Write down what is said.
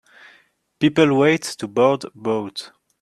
People wait to board boats.